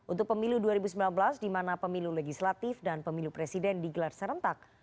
untuk pemilu dua ribu sembilan belas di mana pemilu legislatif dan pemilu presiden digelar serentak